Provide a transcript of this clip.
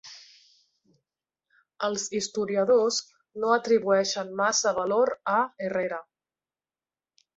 Els historiadors no atribueixen massa valor a Herrera.